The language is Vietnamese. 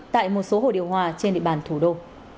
trên địa bàn thủ đô